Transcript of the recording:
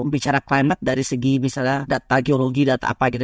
bicara climate dari segi misalnya data geologi data apa gitu